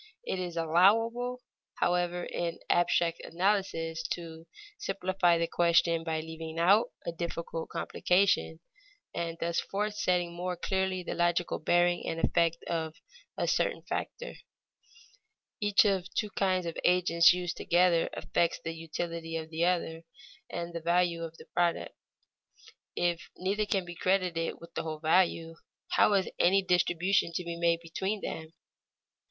It is allowable, however, in abstract analysis, to simplify the question by leaving out a difficult complication, and thus to set forth more clearly the logical bearing and effect of a certain factor. [Sidenote: Certain shares of the product are logically attributed to each] Each of two kinds of agents used together affects the utility of the other, and the value of the product. If neither can be credited with the whole value, how is any distribution to be made between them?